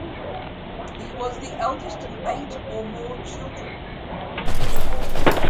He was the eldest of eight or more children.